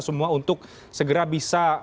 semua untuk segera bisa